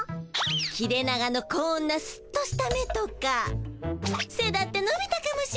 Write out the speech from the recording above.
切れ長のこんなスッとした目とかせだってのびたかもしれないし。